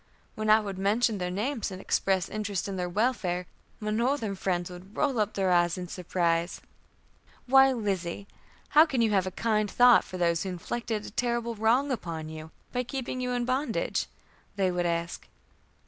When I would mention their names and express interest in their welfare, my Northern friends would roll up their eyes in surprise. "Why, Lizzie, how can you have a kind thought for those who inflicted a terrible wrong upon you by keeping you in bondage?" they would ask.